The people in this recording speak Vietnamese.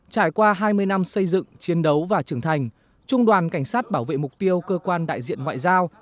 trải qua hai mươi năm xây dựng chiến đấu và trưởng thành trung đoàn cảnh sát bảo vệ mục tiêu cơ quan đại diện ngoại giao